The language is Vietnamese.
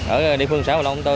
ở địa phương xã hồ lộng tôn